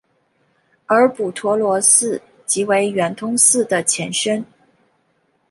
而补陀罗寺即为圆通寺的前身。